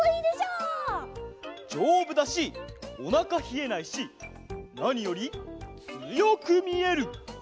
じょうぶだしおなかひえないしなによりつよくみえる！